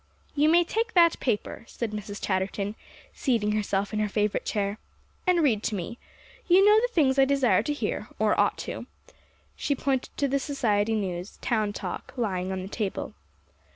"You may take that paper," said Mrs. Chatterton, seating herself in her favorite chair, "and read to me. You know the things I desire to hear, or ought to." She pointed to the society news, Town Talk, lying on the table.